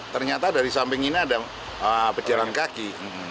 ternyata dari samping ini ada pejalan kaki